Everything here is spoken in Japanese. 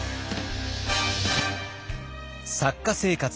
作家生活